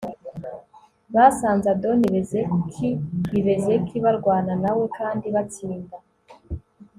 basanze adoni-bezeki i bezeki barwana na we kandi batsinda